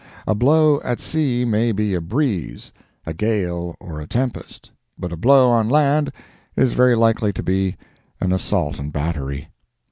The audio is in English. A blow at sea may be a breeze, a gale or a tempest, but a blow on land is very likely to be an assault and battery.